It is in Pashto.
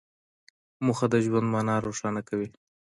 موخه د ژوند مانا روښانه کوي.